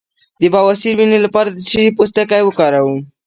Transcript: د بواسیر د وینې لپاره د څه شي پوستکی وکاروم؟